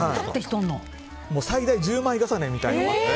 最大１０枚重ねみたいなのもあって。